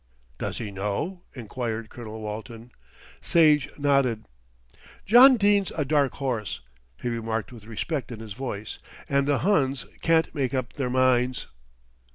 "Does he know?" enquired Colonel Walton. Sage nodded. "John Dene's a dark horse," he remarked with respect in his voice, "and the Huns can't make up their minds."